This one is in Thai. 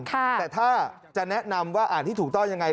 แต่ถ้าจะแนะนำว่าอ่านที่ถูกต้องยังไง